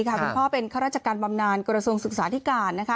คุณพ่อเป็นข้าราชการบำนานกรสงส์ศึกษาที่ก่าน